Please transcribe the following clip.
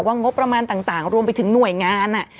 งบประมาณต่างรวมไปถึงหน่วยงาน